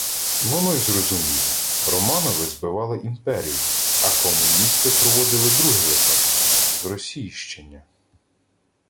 Воно й зрозуміло: Романови «збивали» імперію, а комуністи проводили другий етап – зросійщення